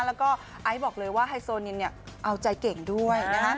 แล้วก็ไอซ์บอกเลยว่าไฮโซนินเอาใจเก่งด้วย